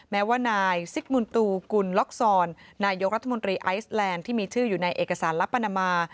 แม้ว่านายซิกมุนตูกุลล็อกซอนนายกรัฐมนตรีไอซแลนด์ที่มีชื่ออยู่ในเอกสารลับปานามา